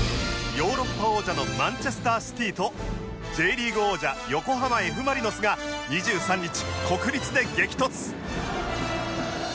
ヨーロッパ王者のマンチェスター・シティと Ｊ リーグ王者横浜 Ｆ ・マリノスが２３日国立で激突！